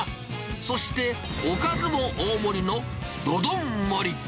そして、おかずも大盛りのどどん盛り。